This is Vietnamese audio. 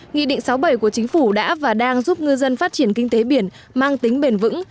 nghị định sáu bảy của chính phủ đã và đang giúp ngư dân phát triển kinh tế biển mang tính bền vững